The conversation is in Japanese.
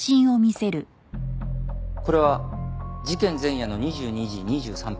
これは事件前夜の２２時２３分